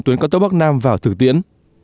tuyến cao tốc bắc nam vào thử tiễn